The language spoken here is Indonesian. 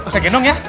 gak usah genong ya